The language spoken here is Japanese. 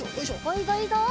いいぞいいぞ！